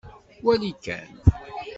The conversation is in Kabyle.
Wali kan.